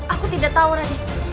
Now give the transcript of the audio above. aku tidak tahu raden